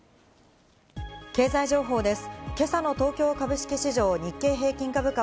経済情報です。